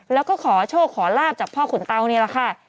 แล้วก็ขอโชคขอลาบจากพ่อขุนเตานี่แหละค่ะ